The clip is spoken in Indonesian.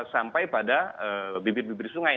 sampai pada bibir bibir sungai